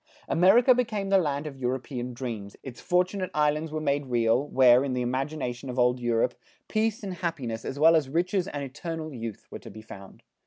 America became the land of European dreams, its Fortunate Islands were made real, where, in the imagination of old Europe, peace and happiness, as well as riches and eternal youth, were to be found.